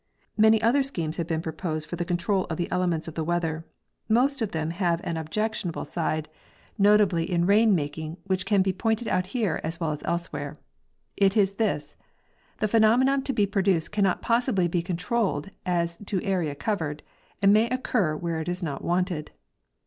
Many other schemes have been proposed for the control of the elements of the weather. Most of them have an objectionable 48 M. W. Harrington— Weather making. side, notably in rain making, which can be pointed out here as well as elsewhere. It is this: The phenomenon to be produced cannot probably be controlled as to area covered, and may occur where it is not wanted.